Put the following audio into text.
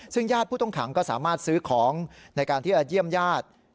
ซึ่งญาติผู้ต้องขังก็สามารถซื้อของในการที่จะเยี่ยมญาติ